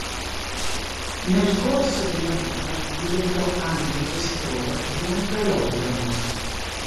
Nel corso della vita diventò anche gestore di un velodromo.